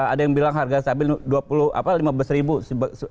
ada yang bilang harga cabai rp lima belas